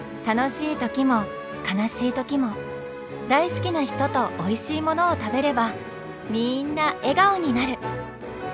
楽しい時も悲しい時も大好きな人とおいしいものを食べればみんな笑顔になる！